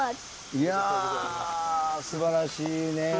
いやー、すばらしいね。